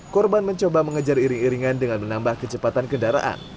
korban mencoba mengejar iring iringan dengan menambah kecepatan kendaraan